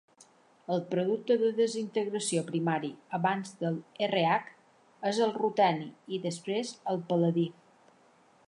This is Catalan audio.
El producte de desintegració primari abans del Rh és el ruteni i després el pal·ladi.